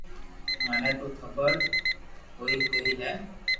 مني تو خبر ھو ڪوئي ني